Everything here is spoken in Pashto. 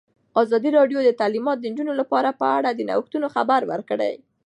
ازادي راډیو د تعلیمات د نجونو لپاره په اړه د نوښتونو خبر ورکړی.